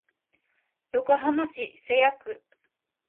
横浜市瀬谷区